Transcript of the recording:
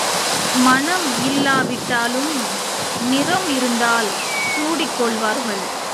மணம் இல்லா விட்டாலும், நிறம் இருந்தால் சூடிக்கொள்வார்கள்.